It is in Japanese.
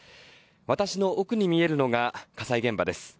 私の奥に見えるのが火災現場です。